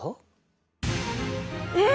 え？